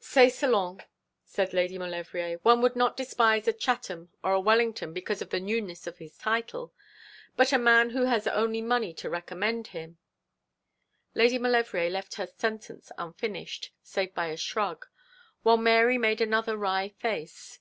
'C'est selon,' said Lady Maulevrier. 'One would not despise a Chatham or a Wellington because of the newness of his title; but a man who has only money to recommend him ' Lady Maulevrier left her sentence unfinished, save by a shrug; while Mary made another wry face.